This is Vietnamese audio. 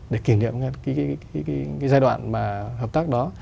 để kỷ niệm cái giai đoạn mà hợp tác đó